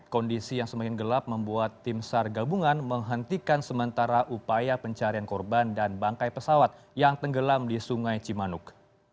kondisi yang semakin gelap membuat tim sar gabungan menghentikan sementara upaya pencarian korban dan bangkai pesawat yang tenggelam di sungai cimanuk